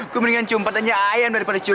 gue mendingan cumpetan aja ayam daripada cum